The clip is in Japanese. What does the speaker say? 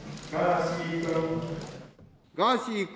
ガーシー君。